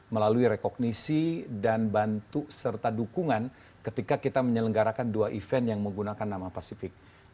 melalui rekognisi dan bantu serta dukungan ketika kita menyelenggarakan dua event yang menggunakan nama pasifik